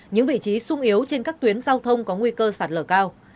những vị trí sung yếu trên các tuyến giao thông có nguy cơ sạt lở cao